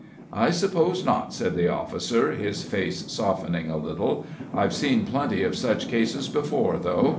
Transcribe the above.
"I suppose not," said the officer, his face softening a little. "I've seen plenty of such cases before, though.